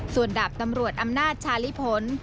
ส่วนดาบตำรวจอำนาจชาลิผล